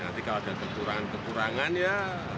nanti kalau ada kekurangan kekurangan ya